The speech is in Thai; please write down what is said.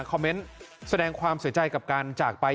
แสดงความเสียใจกับการจากไป